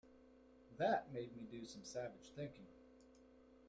That made me do some savage thinking.